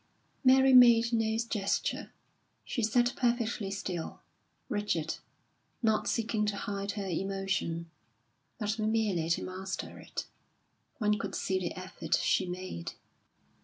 Mary made no gesture; she sat perfectly still, rigid, not seeking to hide her emotion, but merely to master it. One could see the effort she made.